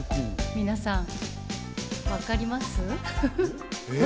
皆さん、わかります？